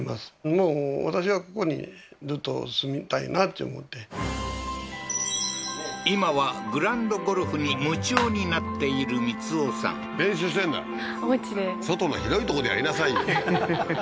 もう私はここにずっと住みたいなって思って今はグランドゴルフに夢中になっている光夫さん練習してんだおうちで外の広いとこでやりなさいよははは